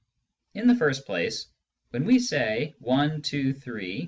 In* the first place, when we say " one, two, three